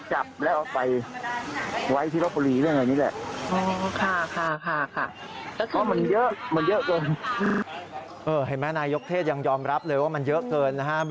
เห็นไหมนายกเทศยังยอมรับเลยว่ามันเยอะเกินนะครับ